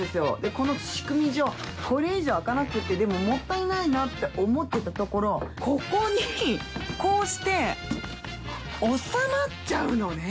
この仕組み上これ以上開かなくってでももったいないなって思ってたところここにこうして収まっちゃうのね。